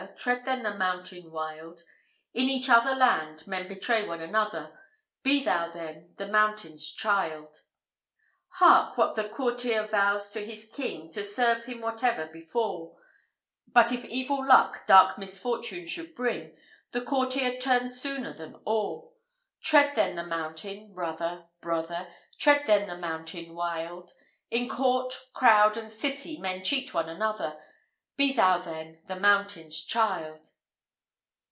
Tread then the mountain wild! In each other land men betray one another; Be thou then the mountain's child. IV. Hark! what the courtier vows to his king, To serve him whatever befal; But if evil luck dark misfortune should bring, The courtier turns sooner than all. Tread then the mountain, brother, brother! Tread then the mountain wild! In court, crowd, and city, men cheat one another; Be thou then the mountain's child.